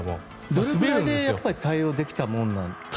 どれくらいで対応できたものなんですか？